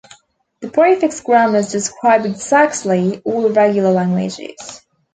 The prefix grammars describe exactly all regular languages.